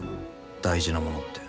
大事なものって。